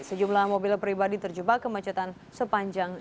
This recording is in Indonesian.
sejumlah mobil pribadi terjebak kemacetan sepanjang dua km